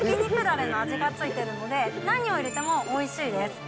だれの味がついてるので、何を入れてもおいしいです。